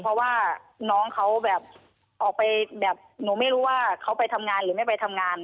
เพราะว่าน้องเขาแบบออกไปแบบหนูไม่รู้ว่าเขาไปทำงานหรือไม่ไปทำงาน